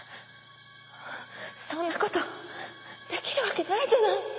そんなことできるわけないじゃない！